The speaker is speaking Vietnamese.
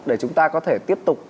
để chúng ta có thể tiếp tục